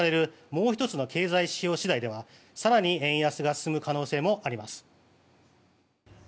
もう１つの経済指標次第では更に円安が進む可能性もあります。